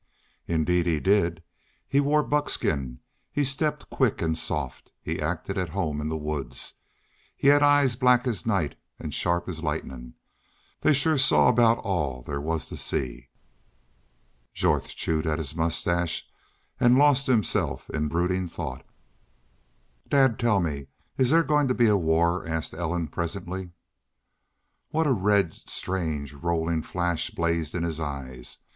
"Indeed he did. He wore buckskin. He stepped quick and soft. He acted at home in the woods. He had eyes black as night and sharp as lightnin'. They shore saw about all there was to see." Jorth chewed at his mustache and lost himself in brooding thought. "Dad, tell me, is there goin' to be a war?" asked Ellen, presently. What a red, strange, rolling flash blazed in his eyes!